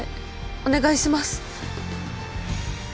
お願いします